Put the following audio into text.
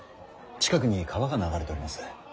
近くに川が流れております。